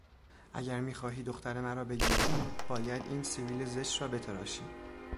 اگر میخواهی دختر مرا بگیری باید این سبیل زشت را بتراشی!